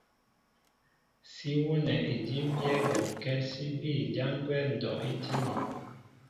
Sí wónɛ edímbyɛ́ bɔŋkɛ́ sí bîy jǎn gwɛ́ ndɔ' í tíní.